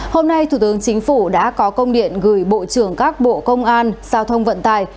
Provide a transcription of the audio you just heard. hôm nay thủ tướng chính phủ đã có công điện gửi bộ trưởng các bộ công an giao thông vận tài